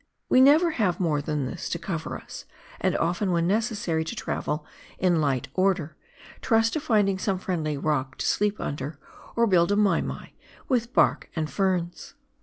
We never have more than this to cover us, and often when necessary to travel in " light order " trust to finding some friendly rock to sleep under, or build a " mai mai " with bark and ferns.